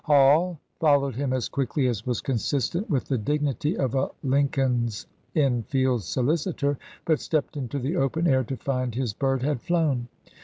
Hall followed him as quickly as was consistent with the dignity of a Lincoln's Inn Fields solicitor, but stepped into the open air to find his bird had flown.